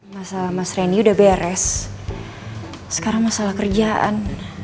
masa mas reni udah beres sekarang masalah kerjaan